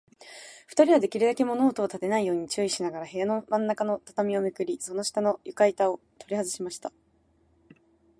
ふたりは、できるだけ物音をたてないように注意しながら、部屋のまんなかの畳をめくり、その下の床板ゆかいたをとりはずしました。